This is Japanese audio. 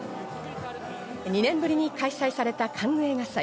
２年ぶりに開催されたカンヌ映画祭。